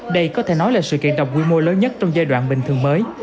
đây có thể nói là sự kiện đọc quy mô lớn nhất trong giai đoạn bình thường mới